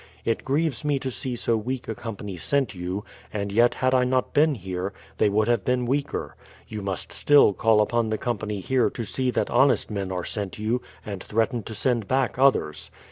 It grieves me to see so weak a company sent you, and yet had I not been here, they would have been weaker. You must still call upon the company here to see that honest men are sent you, and threaten to send back others.